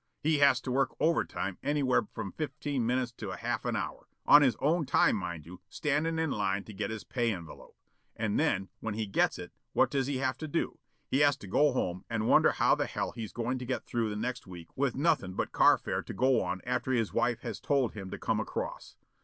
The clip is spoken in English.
He has to work over time anywhere from fifteen minutes to half an hour on his own time, mind you standin' in line to get his pay envelope. And then when he gets it, what does he have to do? He has to go home and wonder how the hell he's goin' to get through the next week with nothin' but carfare to go on after his wife has told him to come across.